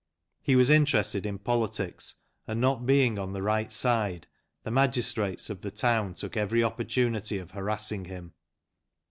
He was interested in politics, and not being on the right side, the magistrates of the town took every opportunity of harassing him.